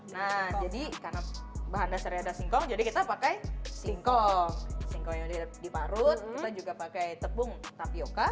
nah jadi karena bahan dasarnya ada singkong jadi kita pakai singkong singkong yang diparut kita juga pakai tepung tapioca